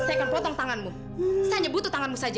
saya akan potong tanganmu saya hanya butuh tanganmu saja